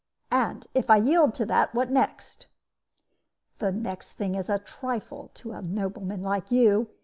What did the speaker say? "'And if I yield to that, what next?' "'The next thing is a trifle to a nobleman like you.